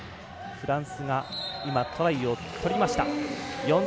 フランスがトライを取りました。